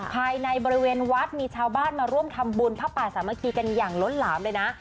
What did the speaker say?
ภายในบริเวณวัดมีชาวบ้านมาร่วมทำบุญพระป่าสามัคคีกันอย่างล้นหลามเลยนะ